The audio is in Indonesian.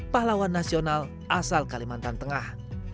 pahlawan nasional asal kalimantan tengah